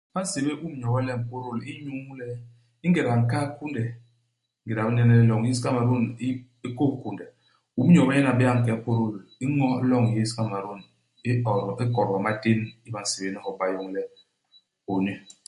Ba nsébél Um Nyobe le Mpôdôl inyu le, ingéda nkaa u kunde, ingéda i bi nene le loñ yés i Kamerun i i kôs kunde, Um Nyobe nyen a bé'é a nke ipôdôl i ño u loñ yés i Kamerun. I od ikodba i matén i ba nsébél ni hop u bayoñ le ONU.